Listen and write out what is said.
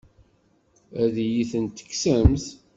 Ad iyi-tent-tekksemt?